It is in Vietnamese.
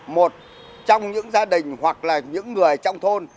một trong những gia đình hoặc là những người trong thôn